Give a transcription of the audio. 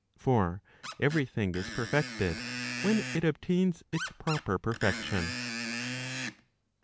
For every thing is perfected when it obtains its proper perfection.